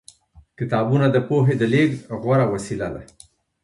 کتابونه د پوهې د لېږد غوره وسیله ده.